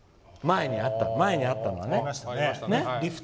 前にあったのがね。